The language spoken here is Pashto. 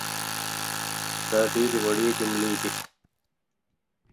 دا ډېرې وړې جملې دي